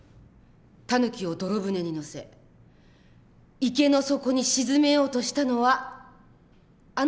タヌキを泥舟に乗せ池の底に沈めようとしたのはあなたですね？